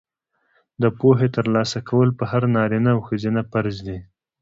د پوهې ترلاسه کول په هر نارینه او ښځینه فرض دي.